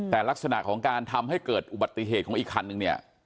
แต่ลักษณะของการทำให้เกิดอุบัติเหตุของอีกคันนึงเนี่ย